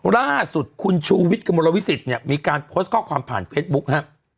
ล่าสุดคุณชูวิทย์กระมวลวิสิตเนี่ยมีการโพสต์ข้อความผ่านเฟซบุ๊คฮะ